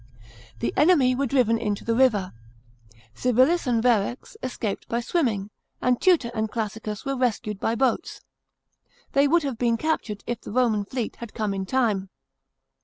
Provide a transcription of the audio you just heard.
The enemy were driven into the river. Civilis and Verax escaped by swimming, and Tutor and Classicus were rescued by boats. They would have been captured if the Roman fleet had come in time.